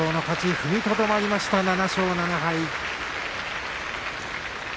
踏みとどまりました７勝７敗。